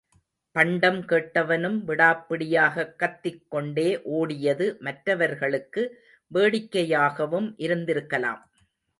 பண்டம் கேட்டவனும் விடாப்பிடியாகக் கத்திக் கொண்டே ஓடியது மற்றவர்களுக்கு வேடிக்கையாகவும் இருந்திருக்கலாம்.